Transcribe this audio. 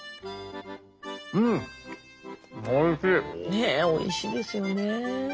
ねえおいしいですよね。